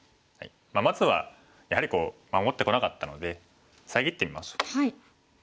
まずはやはり守ってこなかったので遮ってみましょう。